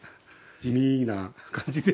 地味な感じで。